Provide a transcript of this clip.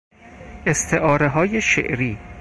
استعارههای شعری